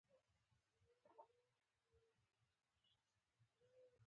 بوتل له ښیښهيي موادو هم جوړېږي.